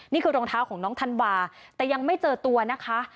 รองเท้าของน้องธันวาแต่ยังไม่เจอตัวนะคะ